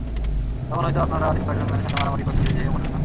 তখন হয়তো আপনারা আর স্পাইডার-ম্যানের সাথে মারামারি করতে যেয়ে মরবেন না।